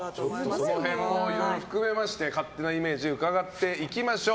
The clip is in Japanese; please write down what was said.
その辺もいろいろ含めまして勝手なイメージ伺っていきます。